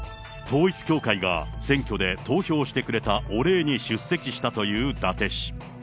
統一教会が選挙で投票してくれたお礼に出席したという伊達氏。